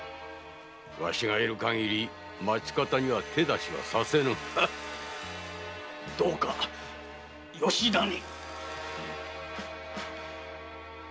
わしがいるかぎり町方には手出しはさせぬどうかよしなに。